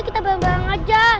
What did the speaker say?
kita bareng bareng aja